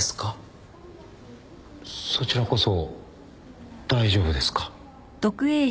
そちらこそ大丈夫ですか？